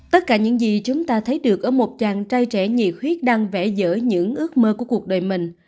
tất cả những gì chúng ta thấy được ở một chàng trai trẻ nhị khuyết đang vẽ dở những ước mơ của cuộc đời mình